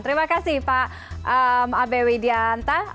terima kasih pak abw dianta